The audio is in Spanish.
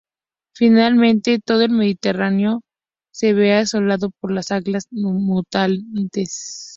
Finalmente, todo el Mediterráneo se ve asolado por las algas mutantes.